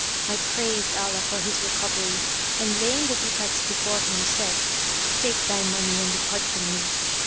I praised Allah for his recovery and laying the ducats before him, said, "Take thy money and depart from me."